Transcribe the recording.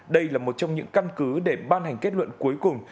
đây là một trong những căn cứ để ban hành kết luận cuối cùng